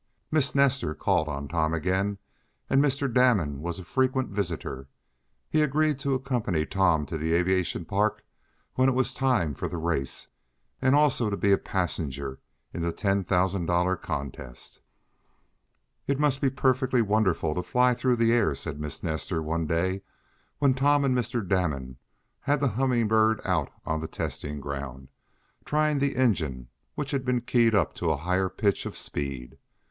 Miss Nestor called on Tom again, and Mr. Damon was a frequent visitor. He agreed to accompany Tom to the aviation park when it was time for the race, and also to be a passenger in the ten thousand dollar contest. "It must be perfectly wonderful to fly through the air," said Miss Nestor one day, when Tom and Mr. Damon had the Humming Bird out on the testing ground, trying the engine, which had been keyed up to a higher pitch of speed.